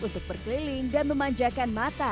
untuk berkeliling dan memanjakan mata